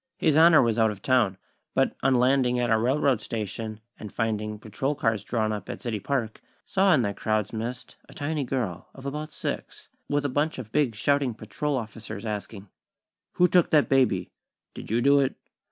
His Honor was out of town; but on landing at our railroad station, and finding patrol cars drawn up at City Park, saw, in that crowd's midst, a tiny girl, of about six, with a bunch of big shouting patrol officers, asking: "Who took that baby?" "Did you do it?"